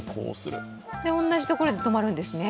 同じところで止まるんですね。